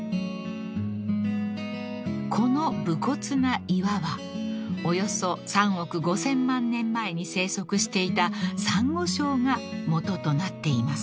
［この武骨な岩はおよそ３億５，０００万年前に生息していたサンゴ礁が基となっています］